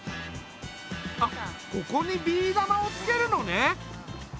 あっここにビー玉をつけるのね。